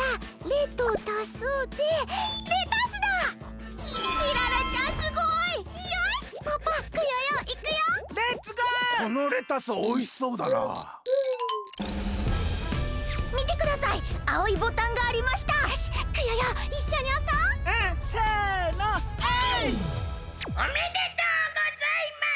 えい！おめでとうございます！